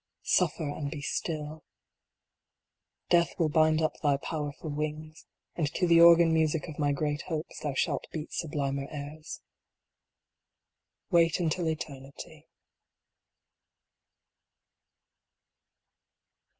" Suffer and be still." 102 A FRAGMENT. Death will bind up thy powerful wings, and to the organ music of my great hopes thou shall beat sublimer airs. Wait until eternity.